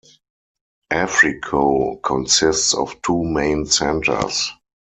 Africo consists of two main centers.